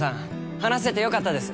話せて良かったです。